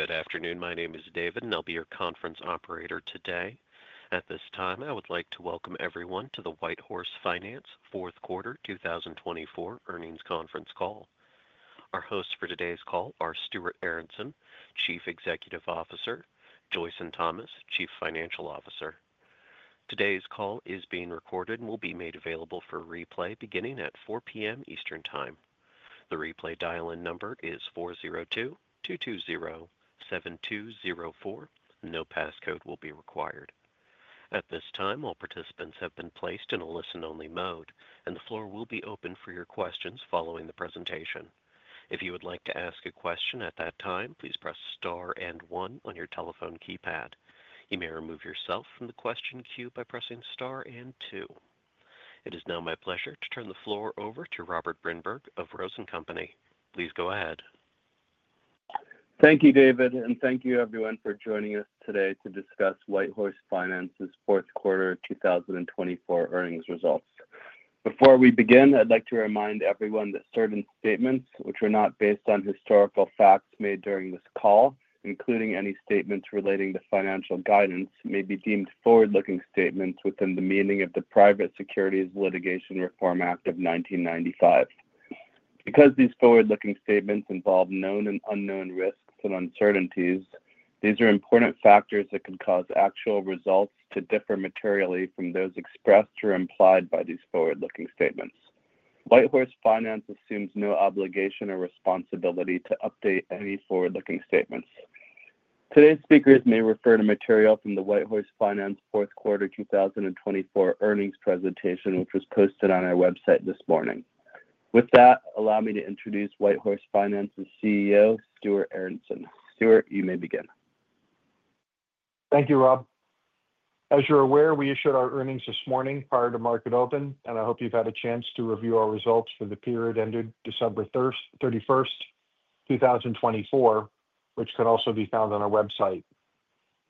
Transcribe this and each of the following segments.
Good afternoon. My name is David, and I'll be your conference operator today. At this time, I would like to welcome everyone to the WhiteHorse Finance Fourth Quarter 2024 earnings conference call. Our hosts for today's call are Stuart Aronson, Chief Executive Officer; Joyson Thomas, Chief Financial Officer. Today's call is being recorded and will be made available for replay beginning at 4:00 P.M. Eastern Time. The replay dial-in number is 402-220-7204. No passcode will be required. At this time, all participants have been placed in a listen-only mode, and the floor will be open for your questions following the presentation. If you would like to ask a question at that time, please press star and one on your telephone keypad. You may remove yourself from the question queue by pressing star and two. It is now my pleasure to turn the floor over to Robert Brinberg of Rose & Company. Please go ahead. Thank you, David, and thank you, everyone, for joining us today to discuss WhiteHorse Finance's Fourth Quarter 2024 earnings results. Before we begin, I'd like to remind everyone that certain statements, which are not based on historical facts made during this call, including any statements relating to financial guidance, may be deemed forward-looking statements within the meaning of the Private Securities Litigation Reform Act of 1995. Because these forward-looking statements involve known and unknown risks and uncertainties, these are important factors that could cause actual results to differ materially from those expressed or implied by these forward-looking statements. WhiteHorse Finance assumes no obligation or responsibility to update any forward-looking statements. Today's speakers may refer to material from the WhiteHorse Finance Fourth Quarter 2024 earnings presentation, which was posted on our website this morning. With that, allow me to introduce WhiteHorse Finance's CEO, Stuart Aronson. Stuart, you may begin. Thank you, Rob. As you're aware, we issued our earnings this morning prior to market open, and I hope you've had a chance to review our results for the period ended December 31st, 2024, which can also be found on our website.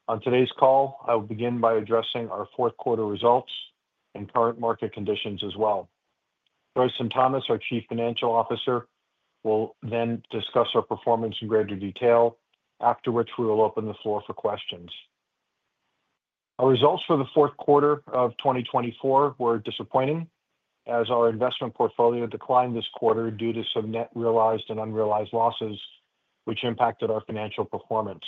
On today's call, I will begin by addressing our fourth quarter results and current market conditions as well. Joyson Thomas, our Chief Financial Officer, will then discuss our performance in greater detail, after which we will open the floor for questions. Our results for the fourth quarter of 2024 were disappointing, as our investment portfolio declined this quarter due to some net realized and unrealized losses, which impacted our financial performance.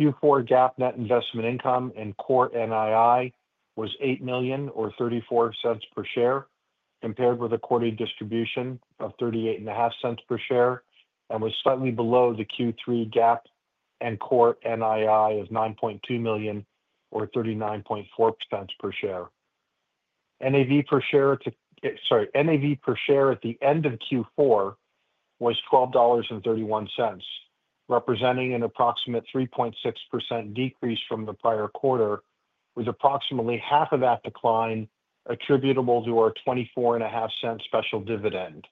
Q4 GAAP net investment income and core NII was $8 million, or $0.34 per share, compared with a quarterly distribution of $0.385 per share, and was slightly below the Q3 GAAP and core NII of $9.2 million, or $0.394 per share. NAV per share at the end of Q4 was $12.31, representing an approximate 3.6% decrease from the prior quarter, with approximately half of that decline attributable to our $0.245 special dividend.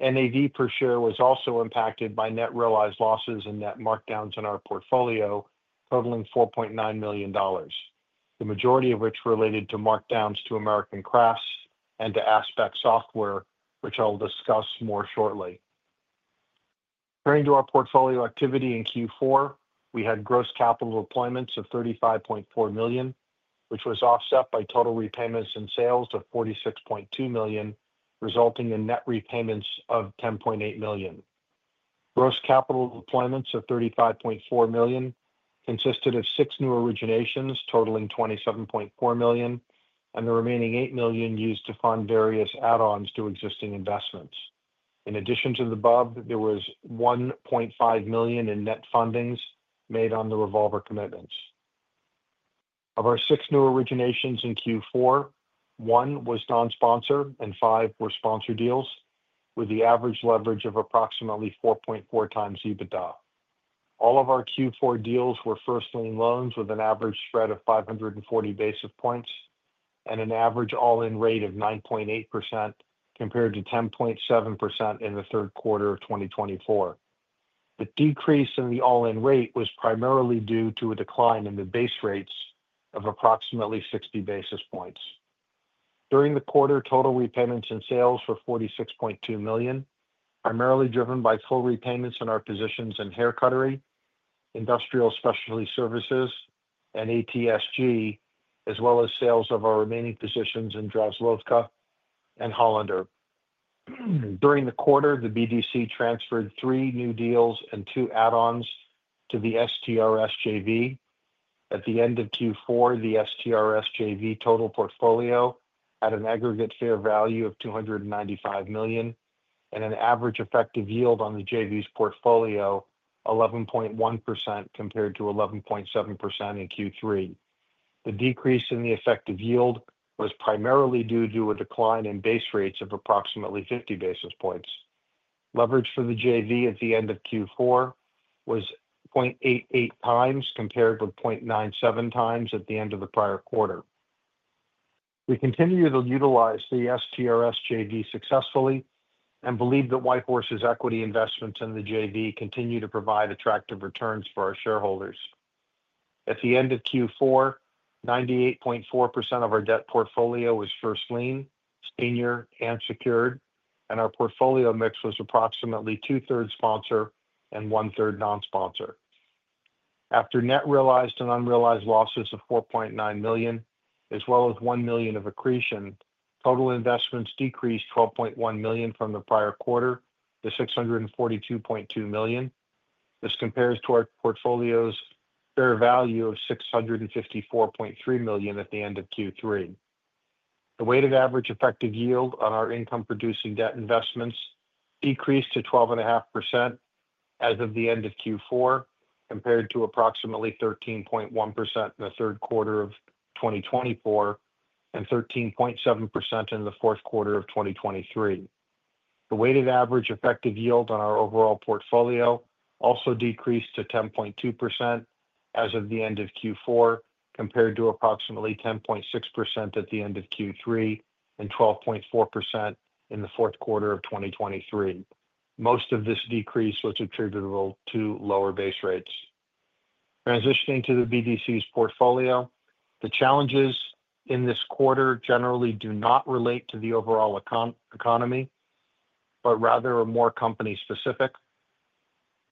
NAV per share was also impacted by net realized losses and net markdowns in our portfolio, totaling $4.9 million, the majority of which related to markdowns to American Crafts and to Aspect Software, which I'll discuss more shortly. Turning to our portfolio activity in Q4, we had gross capital deployments of $35.4 million, which was offset by total repayments and sales of $46.2 million, resulting in net repayments of $10.8 million. Gross capital deployments of $35.4 million consisted of six new originations totaling $27.4 million, and the remaining $8 million used to fund various add-ons to existing investments. In addition to the above, there was $1.5 million in net fundings made on the revolver commitments. Of our six new originations in Q4, one was non-sponsored and five were sponsored deals, with the average leverage of approximately 4.4 times EBITDA. All of our Q4 deals were first lien loans with an average spread of 540 basis points and an average all-in rate of 9.8% compared to 10.7% in the third quarter of 2024. The decrease in the all-in rate was primarily due to a decline in the base rates of approximately 60 basis points. During the quarter, total repayments and sales were $46.2 million, primarily driven by full repayments in our positions in Hair Cuttery, Industrial Specialty Services, and ATSG, as well as sales of our remaining positions in Draslovka and Hollander. During the quarter, the BDC transferred three new deals and two add-ons to the STRS JV. At the end of Q4, the STRS JV total portfolio had an aggregate fair value of $295 million and an average effective yield on the JV's portfolio of 11.1% compared to 11.7% in Q3. The decrease in the effective yield was primarily due to a decline in base rates of approximately 50 basis points. Leverage for the JV at the end of Q4 was 0.88x compared with 0.97x at the end of the prior quarter. We continue to utilize the STRS JV successfully and believe that WhiteHorse's equity investments in the JV continue to provide attractive returns for our shareholders. At the end of Q4, 98.4% of our debt portfolio was first lien, senior, and secured, and our portfolio mix was approximately two-thirds sponsor and one-third non-sponsor. After net realized and unrealized losses of $4.9 million, as well as $1 million of accretion, total investments decreased $12.1 million from the prior quarter to $642.2 million. This compares to our portfolio's fair value of $654.3 million at the end of Q3. The weighted average effective yield on our income-producing debt investments decreased to 12.5% as of the end of Q4, compared to approximately 13.1% in the third quarter of 2024 and 13.7% in the fourth quarter of 2023. The weighted average effective yield on our overall portfolio also decreased to 10.2% as of the end of Q4, compared to approximately 10.6% at the end of Q3 and 12.4% in the fourth quarter of 2022. Most of this decrease was attributable to lower base rates. Transitioning to the BDC's portfolio, the challenges in this quarter generally do not relate to the overall economy, but rather are more company-specific.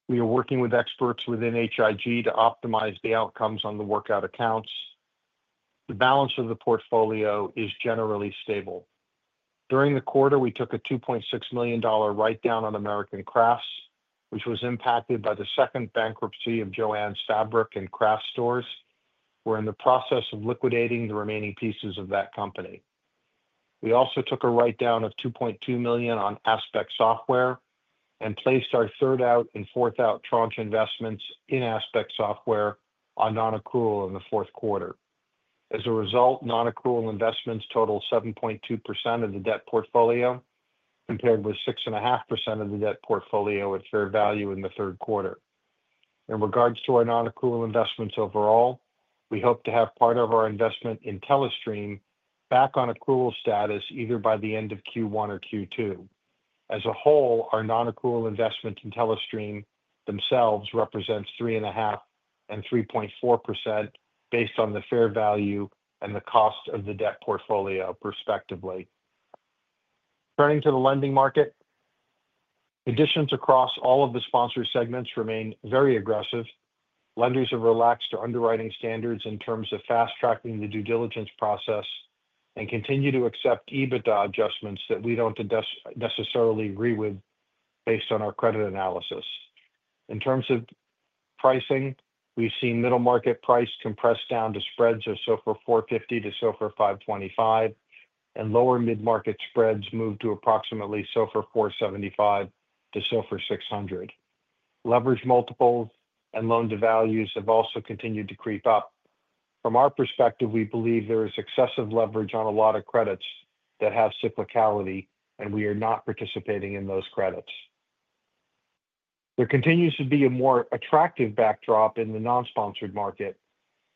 We are working with experts within HIG to optimize the outcomes on the workout accounts. The balance of the portfolio is generally stable. During the quarter, we took a $2.6 million write-down on American Crafts, which was impacted by the second bankruptcy of Jo-Ann Stores, where we're in the process of liquidating the remaining pieces of that company. We also took a write-down of $2.2 million on Aspect Software and placed our third-out and fourth-out tranche investments in Aspect Software on non-accrual in the fourth quarter. As a result, non-accrual investments total 7.2% of the debt portfolio, compared with 6.5% of the debt portfolio at fair value in the third quarter. In regards to our non-accrual investments overall, we hope to have part of our investment in Telestream back on accrual status either by the end of Q1 or Q2. As a whole, our non-accrual investment in Telestream themselves represents 3.5% and 3.4% based on the fair value and the cost of the debt portfolio, respectively. Turning to the lending market, conditions across all of the sponsored segments remain very aggressive. Lenders have relaxed their underwriting standards in terms of fast-tracking the due diligence process and continue to accept EBITDA adjustments that we do not necessarily agree with based on our credit analysis. In terms of pricing, we have seen middle market price compressed down to spreads of SOFR 450 to SOFR 525, and lower mid-market spreads moved to approximately SOFR 475 to SOFR 600. Leverage multiples and loan-to-values have also continued to creep up. From our perspective, we believe there is excessive leverage on a lot of credits that have cyclicality, and we are not participating in those credits. There continues to be a more attractive backdrop in the non-sponsored market,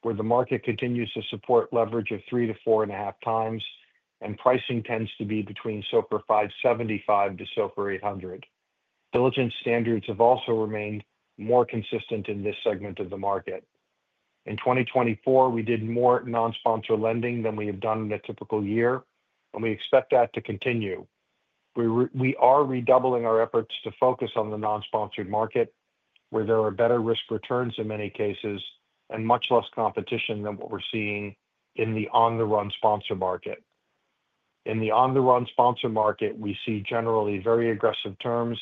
where the market continues to support leverage of three to four and a half times, and pricing tends to be between SOFR 575 to SOFR 800. Diligence standards have also remained more consistent in this segment of the market. In 2024, we did more non-sponsored lending than we have done in a typical year, and we expect that to continue. We are redoubling our efforts to focus on the non-sponsored market, where there are better risk returns in many cases and much less competition than what we're seeing in the on-the-run sponsor market. In the on-the-run sponsor market, we see generally very aggressive terms,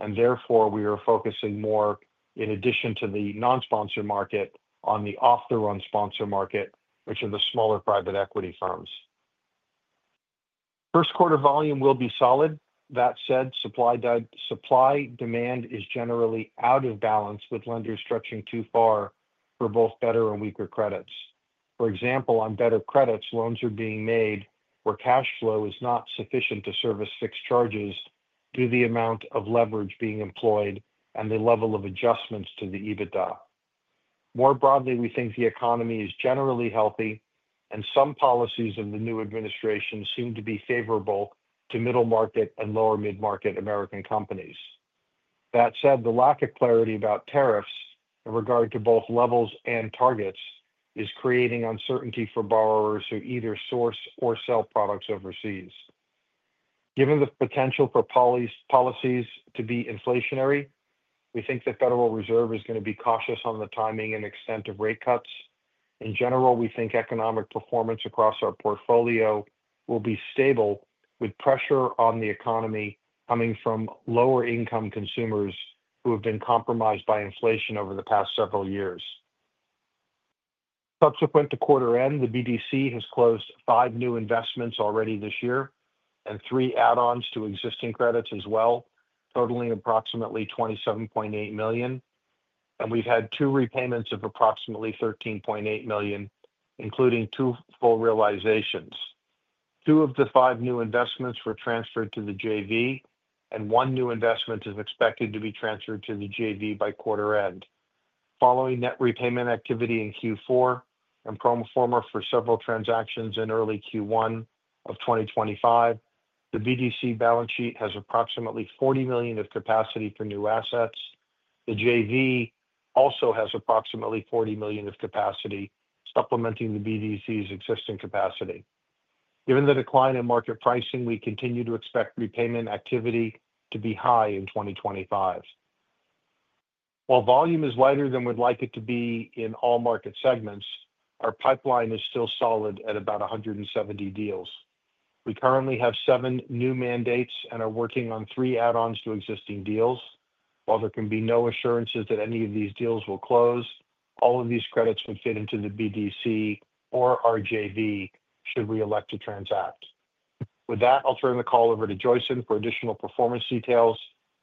and therefore we are focusing more, in addition to the non-sponsored market, on the off-the-run sponsor market, which are the smaller private equity firms. First quarter volume will be solid. That said, supply-demand is generally out of balance, with lenders stretching too far for both better and weaker credits. For example, on better credits, loans are being made where cash flow is not sufficient to service fixed charges due to the amount of leverage being employed and the level of adjustments to the EBITDA. More broadly, we think the economy is generally healthy, and some policies of the new administration seem to be favorable to middle market and lower mid-market American companies. That said, the lack of clarity about tariffs in regard to both levels and targets is creating uncertainty for borrowers who either source or sell products overseas. Given the potential for policies to be inflationary, we think the Federal Reserve is going to be cautious on the timing and extent of rate cuts. In general, we think economic performance across our portfolio will be stable, with pressure on the economy coming from lower-income consumers who have been compromised by inflation over the past several years. Subsequent to quarter-end, the BDC has closed five new investments already this year and three add-ons to existing credits as well, totaling approximately $27.8 million. We have had two repayments of approximately $13.8 million, including two full realizations. Two of the five new investments were transferred to the JV, and one new investment is expected to be transferred to the JV by quarter-end. Following net repayment activity in Q4 and pro forma for several transactions in early Q1 of 2025, the BDC balance sheet has approximately $40 million of capacity for new assets. The JV also has approximately $40 million of capacity, supplementing the BDC's existing capacity. Given the decline in market pricing, we continue to expect repayment activity to be high in 2025. While volume is wider than we'd like it to be in all market segments, our pipeline is still solid at about 170 deals. We currently have seven new mandates and are working on three add-ons to existing deals. While there can be no assurances that any of these deals will close, all of these credits would fit into the BDC or our JV should we elect to transact. With that, I'll turn the call over to Joyson for additional performance details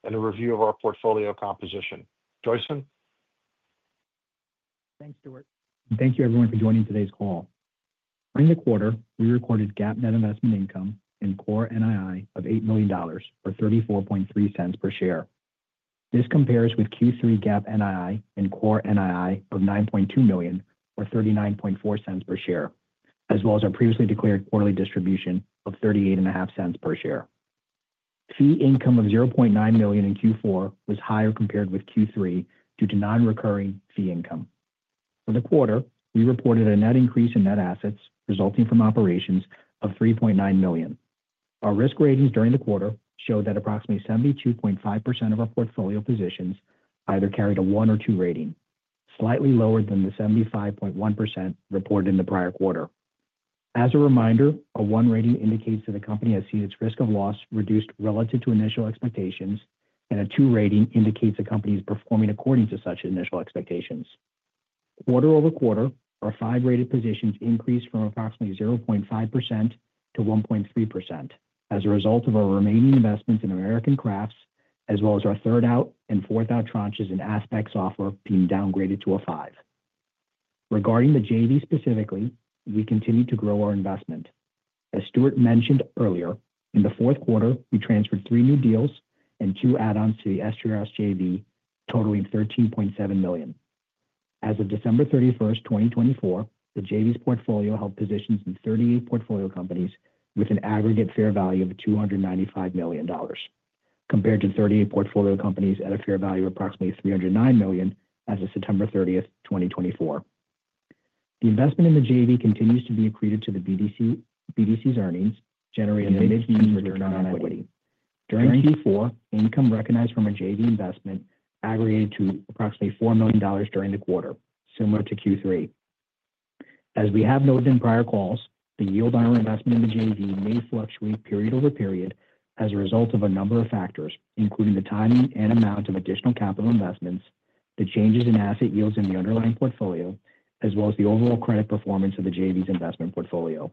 and a review of our portfolio composition. Joyson? Thanks, Stuart. Thank you, everyone, for joining today's call. During the quarter, we recorded GAAP net investment income and core NII of $8 million or $0.343 per share. This compares with Q3 GAAP NII and core NII of $9.2 million or $0.394 per share, as well as our previously declared quarterly distribution of $0.385 per share. Fee income of $0.9 million in Q4 was higher compared with Q3 due to non-recurring fee income. For the quarter, we reported a net increase in net assets resulting from operations of $3.9 million. Our risk ratings during the quarter showed that approximately 72.5% of our portfolio positions either carried a one or two rating, slightly lower than the 75.1% reported in the prior quarter. As a reminder, a one rating indicates that a company has seen its risk of loss reduced relative to initial expectations, and a two rating indicates a company is performing according to such initial expectations. Quarter over quarter, our five-rated positions increased from approximately 0.5%-1.3% as a result of our remaining investments in American Crafts, as well as our third-out and fourth-out tranches in Aspect Software being downgraded to a five. Regarding the JV specifically, we continue to grow our investment. As Stuart mentioned earlier, in the fourth quarter, we transferred three new deals and two add-ons to the STRS JV, totaling $13.7 million. As of December 31st, 2024, the JV's portfolio held positions in 38 portfolio companies with an aggregate fair value of $295 million, compared to 38 portfolio companies at a fair value of approximately $309 million as of September 30th, 2024. The investment in the JV continues to be accretive to the BDC's earnings, generating a negative yield with their non-equity. During Q4, income recognized from a JV investment aggregated to approximately $4 million during the quarter, similar to Q3. As we have noted in prior calls, the yield on our investment in the JV may fluctuate period over period as a result of a number of factors, including the timing and amount of additional capital investments, the changes in asset yields in the underlying portfolio, as well as the overall credit performance of the JV's investment portfolio.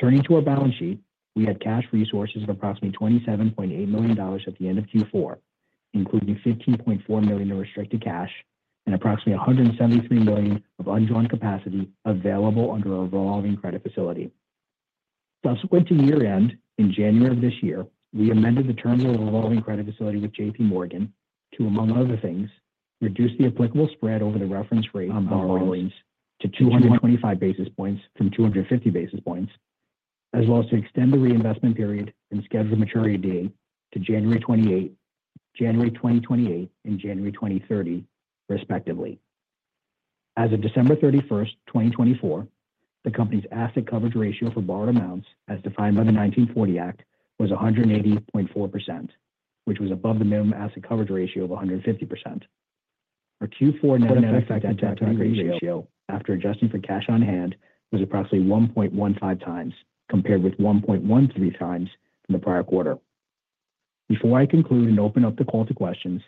Turning to our balance sheet, we had cash resources of approximately $27.8 million at the end of Q4, including $15.4 million of restricted cash and approximately $173 million of undrawn capacity available under a revolving credit facility. Subsequent to year-end, in January of this year, we amended the terms of the revolving credit facility with JPMorgan to, among other things, reduce the applicable spread over the reference rate on borrowings to 225 basis points from 250 basis points, as well as to extend the reinvestment period and schedule the maturity date to January 28th, January 2028, and January 2030, respectively. As of December 31st, 2024, the company's asset coverage ratio for borrowed amounts, as defined by the 1940 Act, was 180.4%, which was above the minimum asset coverage ratio of 150%. Our Q4 net effective debt to equity ratio, after adjusting for cash on hand, was approximately 1.15x, compared with 1.13x in the prior quarter. Before I conclude and open up the call to questions,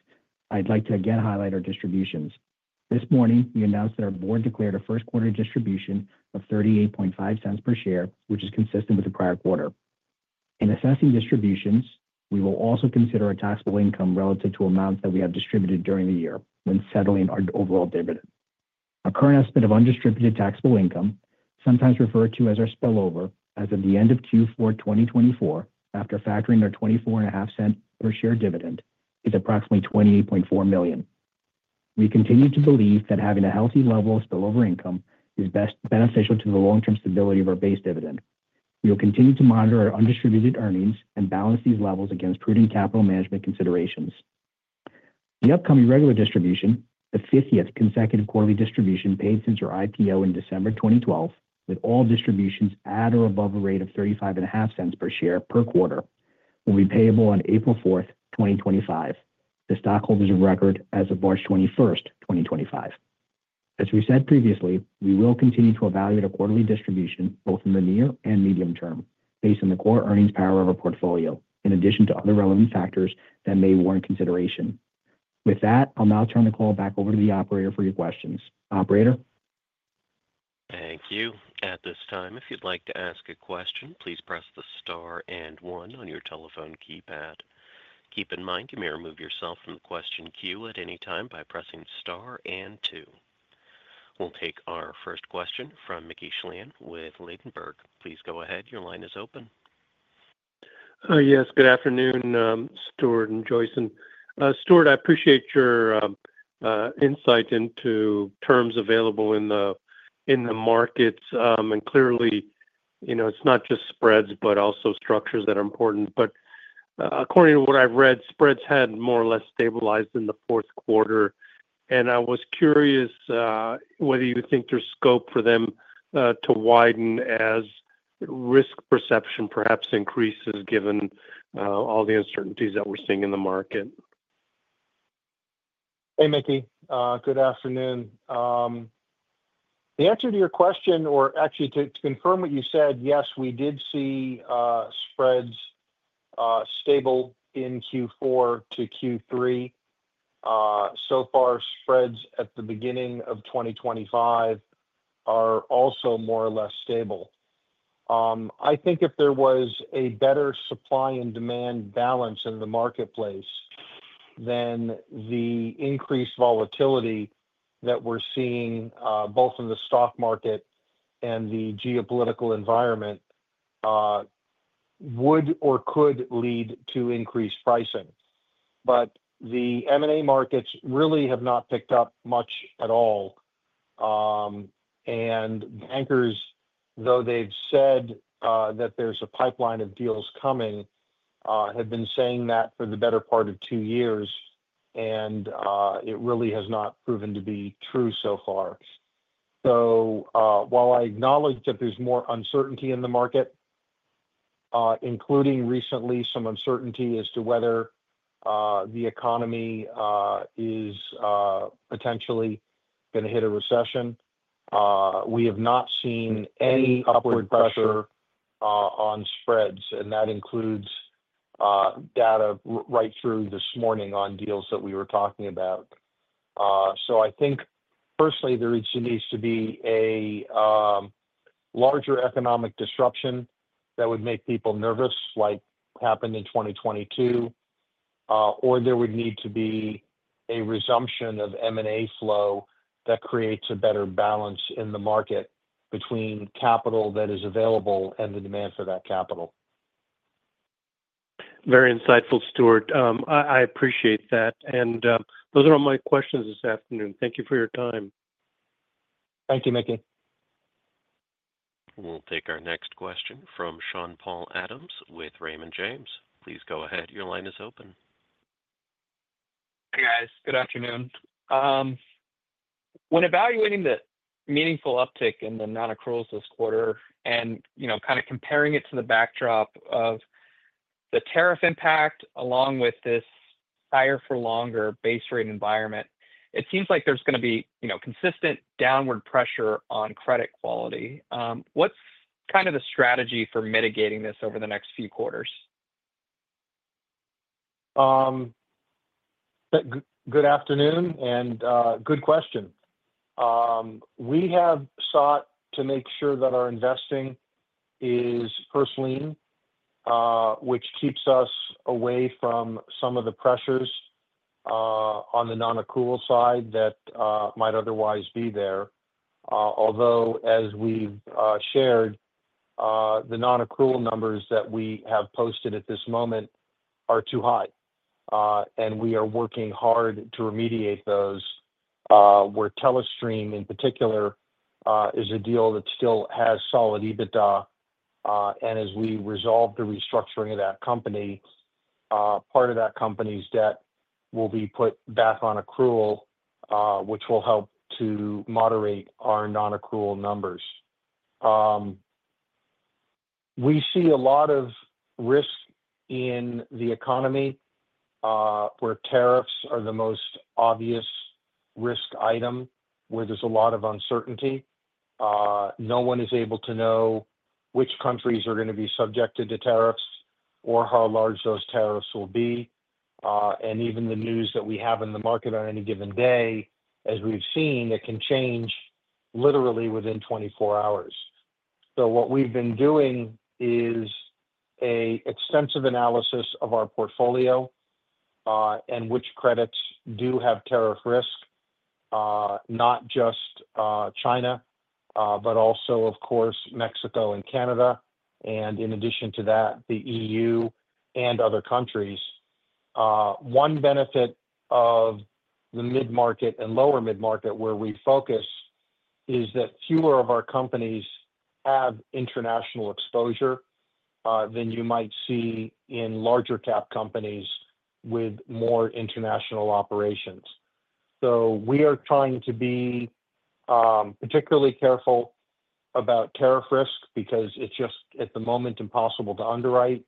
I'd like to again highlight our distributions. This morning, we announced that our board declared a first quarter distribution of $0.385 per share, which is consistent with the prior quarter. In assessing distributions, we will also consider our taxable income relative to amounts that we have distributed during the year when settling our overall dividend. Our current estimate of undistributed taxable income, sometimes referred to as our spillover, as of the end of Q4 2024, after factoring our $0.245 per share dividend, is approximately $28.4 million. We continue to believe that having a healthy level of spillover income is best beneficial to the long-term stability of our base dividend. We will continue to monitor our undistributed earnings and balance these levels against prudent capital management considerations. The upcoming regular distribution, the 50th consecutive quarterly distribution paid since our IPO in December 2012, with all distributions at or above a rate of $0.355 per share per quarter, will be payable on April 4th, 2025, to stockholders of record as of March 21st, 2025. As we said previously, we will continue to evaluate our quarterly distribution both in the near and medium term based on the core earnings power of our portfolio, in addition to other relevant factors that may warrant consideration. With that, I'll now turn the call back over to the operator for your questions. Operator? Thank you. At this time, if you'd like to ask a question, please press the star and one on your telephone keypad. Keep in mind, you may remove yourself from the question queue at any time by pressing star and two. We'll take our first question from Mickey Schleien with Ladenburg. Please go ahead. Your line is open. Yes. Good afternoon, Stuart and Joyson. Stuart, I appreciate your insight into terms available in the markets. Clearly, it's not just spreads, but also structures that are important. According to what I've read, spreads had more or less stabilized in the fourth quarter. I was curious whether you think there's scope for them to widen as risk perception perhaps increases, given all the uncertainties that we're seeing in the market. Hey, Mickey. Good afternoon. The answer to your question, or actually to confirm what you said, yes, we did see spreads stable in Q4 to Q3. So far, spreads at the beginning of 2025 are also more or less stable. I think if there was a better supply and demand balance in the marketplace, then the increased volatility that we're seeing both in the stock market and the geopolitical environment would or could lead to increased pricing. The M&A markets really have not picked up much at all. The bankers, though they've said that there's a pipeline of deals coming, have been saying that for the better part of two years, and it really has not proven to be true so far. While I acknowledge that there's more uncertainty in the market, including recently some uncertainty as to whether the economy is potentially going to hit a recession, we have not seen any upward pressure on spreads. That includes data right through this morning on deals that we were talking about. I think, personally, there needs to be a larger economic disruption that would make people nervous, like happened in 2022, or there would need to be a resumption of M&A flow that creates a better balance in the market between capital that is available and the demand for that capital. Very insightful, Stuart. I appreciate that. Those are all my questions this afternoon. Thank you for your time. Thank you, Mickey. We'll take our next question from Sean-Paul Adams with Raymond James. Please go ahead. Your line is open. Hey, guys. Good afternoon. When evaluating the meaningful uptick in the non-accruals this quarter and kind of comparing it to the backdrop of the tariff impact along with this higher-for-longer base rate environment, it seems like there's going to be consistent downward pressure on credit quality. What's kind of the strategy for mitigating this over the next few quarters? Good afternoon and good question. We have sought to make sure that our investing is first-line, which keeps us away from some of the pressures on the non-accrual side that might otherwise be there. Although, as we've shared, the non-accrual numbers that we have posted at this moment are too high, and we are working hard to remediate those. Where Telestream, in particular, is a deal that still has solid EBITDA. As we resolve the restructuring of that company, part of that company's debt will be put back on accrual, which will help to moderate our non-accrual numbers. We see a lot of risk in the economy where tariffs are the most obvious risk item, where there's a lot of uncertainty. No one is able to know which countries are going to be subjected to tariffs or how large those tariffs will be. Even the news that we have in the market on any given day, as we've seen, it can change literally within 24 hours. What we've been doing is an extensive analysis of our portfolio and which credits do have tariff risk, not just China, but also, of course, Mexico and Canada. In addition to that, the EU and other countries. One benefit of the mid-market and lower mid-market where we focus is that fewer of our companies have international exposure than you might see in larger-cap companies with more international operations. We are trying to be particularly careful about tariff risk because it's just, at the moment, impossible to underwrite.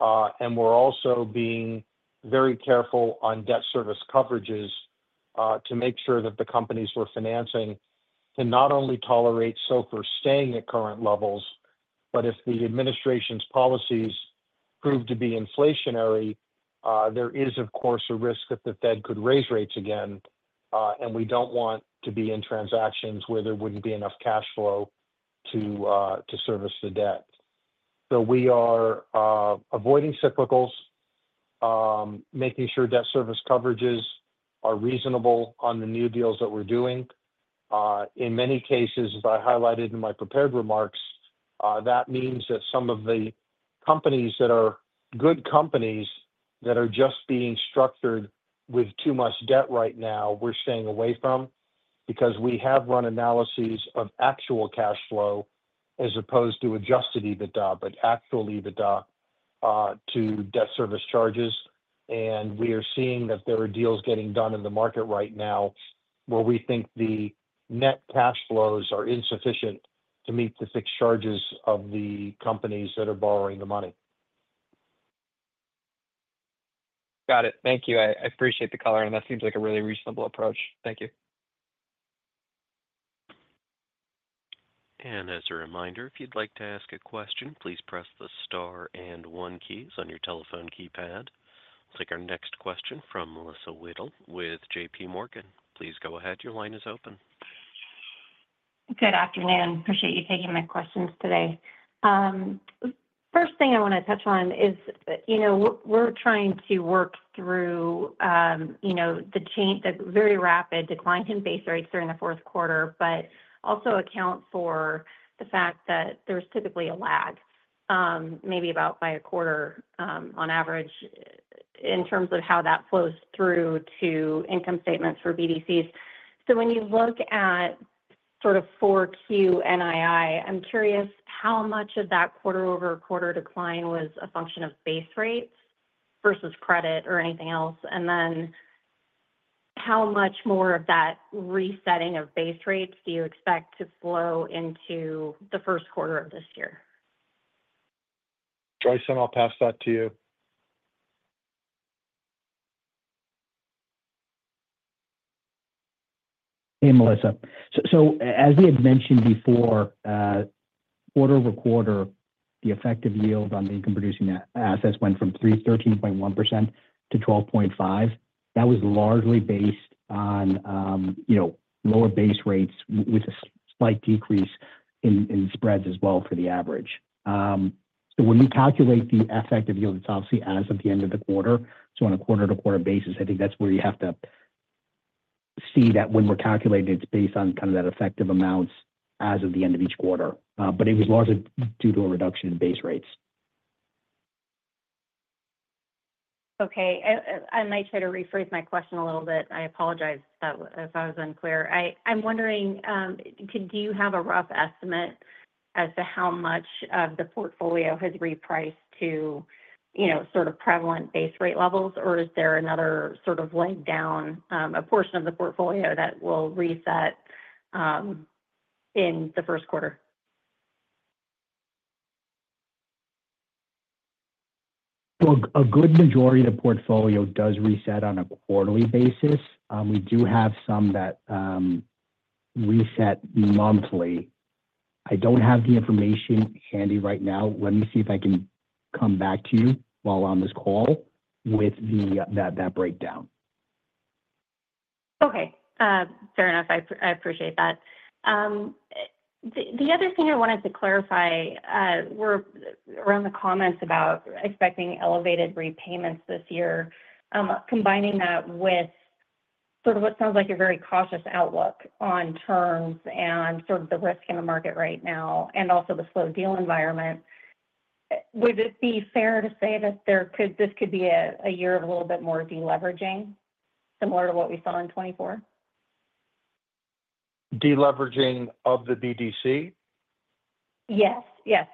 We are also being very careful on debt service coverages to make sure that the companies we are financing can not only tolerate SOFR staying at current levels, but if the administration's policies prove to be inflationary, there is, of course, a risk that the Fed could raise rates again. We do not want to be in transactions where there would not be enough cash flow to service the debt. We are avoiding cyclicals, making sure debt service coverages are reasonable on the new deals that we are doing. In many cases, as I highlighted in my prepared remarks, that means that some of the companies that are good companies that are just being structured with too much debt right now, we are staying away from because we have run analyses of actual cash flow as opposed to Adjusted EBITDA, but actual EBITDA to debt service charges. We are seeing that there are deals getting done in the market right now where we think the net cash flows are insufficient to meet the fixed charges of the companies that are borrowing the money. Got it. Thank you. I appreciate the color. That seems like a really reasonable approach. Thank you. As a reminder, if you'd like to ask a question, please press the star and one keys on your telephone keypad. We'll take our next question from Melissa Wedel with JPMorgan. Please go ahead. Your line is open. Good afternoon. Appreciate you taking my questions today. First thing I want to touch on is we're trying to work through the very rapid decline in base rates during the fourth quarter, but also account for the fact that there's typically a lag, maybe about by a quarter on average, in terms of how that flows through to income statements for BDCs. When you look at sort of four Q NII, I'm curious how much of that quarter-over-quarter decline was a function of base rates versus credit or anything else. How much more of that resetting of base rates do you expect to flow into the first quarter of this year? Joyson, I'll pass that to you. Hey, Melissa. As we had mentioned before, quarter-over-quarter, the effective yield on the income-producing assets went from 13.1% to 12.5%. That was largely based on lower base rates with a slight decrease in spreads as well for the average. When we calculate the effective yield, it's obviously as of the end of the quarter. On a quarter-to-quarter basis, I think that's where you have to see that when we're calculating, it's based on kind of that effective amounts as of the end of each quarter, but it was largely due to a reduction in base rates. Okay. I might try to rephrase my question a little bit. I apologize if I was unclear. I'm wondering, do you have a rough estimate as to how much of the portfolio has repriced to sort of prevalent base rate levels, or is there another sort of laid down a portion of the portfolio that will reset in the first quarter? A good majority of the portfolio does reset on a quarterly basis. We do have some that reset monthly. I don't have the information handy right now. Let me see if I can come back to you while we're on this call with that breakdown. Okay. Fair enough. I appreciate that. The other thing I wanted to clarify around the comments about expecting elevated repayments this year, combining that with sort of what sounds like a very cautious outlook on terms and sort of the risk in the market right now and also the slow deal environment, would it be fair to say that this could be a year of a little bit more deleveraging, similar to what we saw in 2024? Deleveraging of the BDC? Yes. Yes.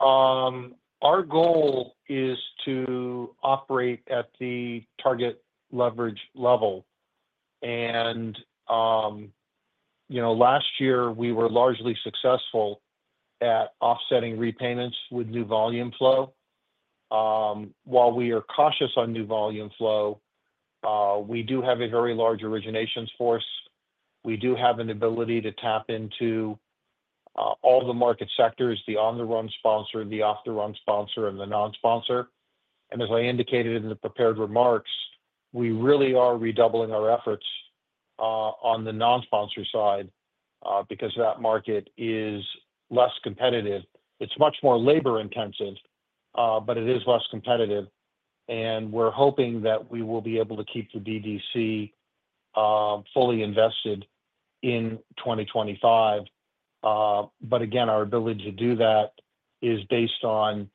Our goal is to operate at the target leverage level. Last year, we were largely successful at offsetting repayments with new volume flow. While we are cautious on new volume flow, we do have a very large origination force. We do have an ability to tap into all the market sectors, the on-the-run sponsor, the off-the-run sponsor, and the non-sponsor. As I indicated in the prepared remarks, we really are redoubling our efforts on the non-sponsor side because that market is less competitive. It is much more labor-intensive, but it is less competitive. We are hoping that we will be able to keep the BDC fully invested in 2025. Again, our ability to do that is based on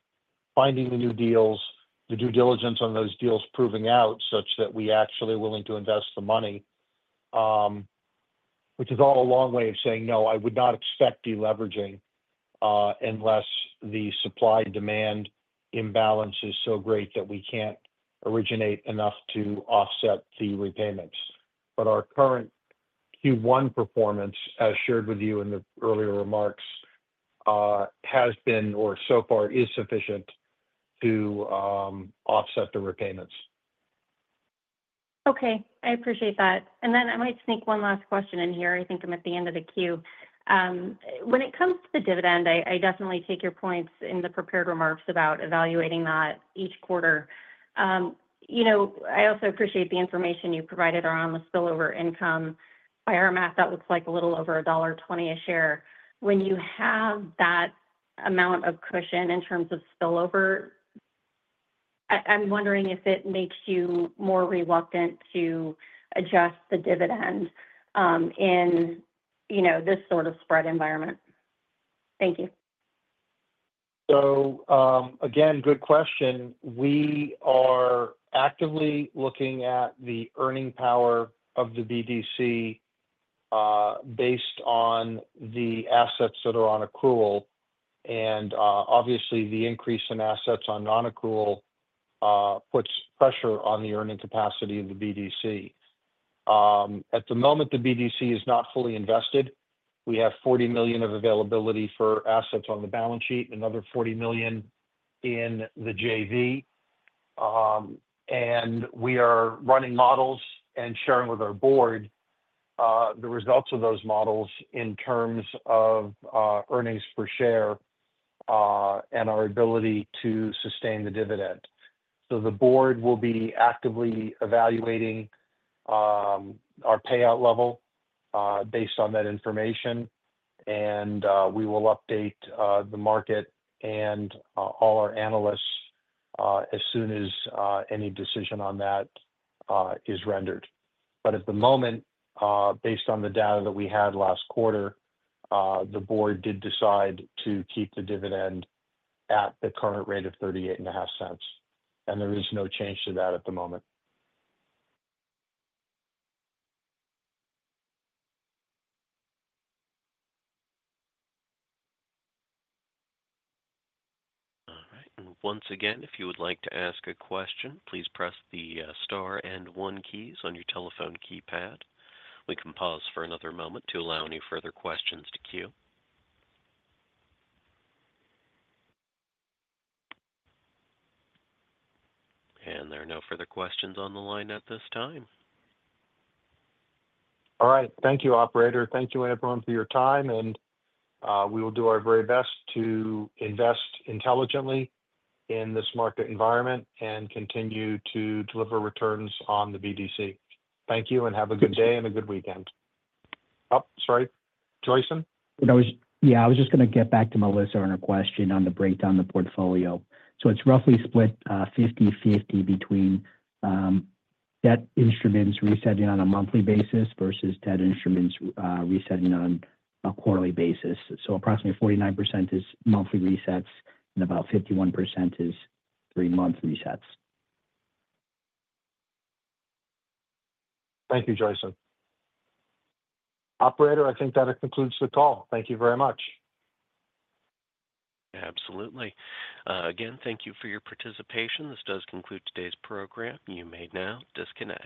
finding the new deals, the due diligence on those deals proving out such that we actually are willing to invest the money, which is all a long way of saying, "No, I would not expect deleveraging unless the supply-demand imbalance is so great that we can't originate enough to offset the repayments." Our current Q1 performance, as shared with you in the earlier remarks, has been, or so far is sufficient to offset the repayments. Okay. I appreciate that. I might sneak one last question in here. I think I'm at the end of the queue. When it comes to the dividend, I definitely take your points in the prepared remarks about evaluating that each quarter. I also appreciate the information you provided around the spillover income. By our math, that looks like a little over $1.20 a share. When you have that amount of cushion in terms of spillover, I'm wondering if it makes you more reluctant to adjust the dividend in this sort of spread environment. Thank you. Good question. We are actively looking at the earning power of the BDC based on the assets that are on accrual. Obviously, the increase in assets on non-accrual puts pressure on the earning capacity of the BDC. At the moment, the BDC is not fully invested. We have $40 million of availability for assets on the balance sheet, another $40 million in the JV. We are running models and sharing with our board the results of those models in terms of earnings per share and our ability to sustain the dividend. The board will be actively evaluating our payout level based on that information. We will update the market and all our analysts as soon as any decision on that is rendered. At the moment, based on the data that we had last quarter, the board did decide to keep the dividend at the current rate of $0.385. There is no change to that at the moment. All right. Once again, if you would like to ask a question, please press the star and one keys on your telephone keypad. We can pause for another moment to allow any further questions to queue. There are no further questions on the line at this time. All right. Thank you, Operator. Thank you, everyone, for your time. We will do our very best to invest intelligently in this market environment and continue to deliver returns on the BDC. Thank you, and have a good day and a good weekend. Oh, sorry. Joyson? Yeah. I was just going to get back to Melissa on her question on the breakdown of the portfolio. It is roughly split 50/50 between debt instruments resetting on a monthly basis versus debt instruments resetting on a quarterly basis. Approximately 49% is monthly resets and about 51% is three-month resets. Thank you, Joyson. Operator, I think that concludes the call. Thank you very much. Absolutely. Again, thank you for your participation. This does conclude today's program. You may now disconnect.